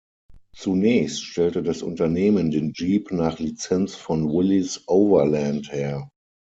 Zunächst stellte das Unternehmen den Jeep nach Lizenz von Willys-Overland her.